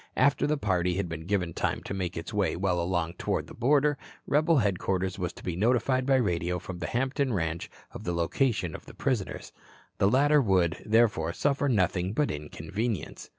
After the party had been given time to make its way well along toward the border, rebel headquarters was to be notified by radio from the Hampton ranch of the location of the prisoners. The latter would, therefore, suffer nothing but inconvenience.